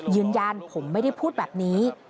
ยืนยันผมไม่ได้พูดแบบนี้